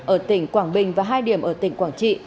ở tỉnh quảng bình và hai điểm ở tỉnh quảng trị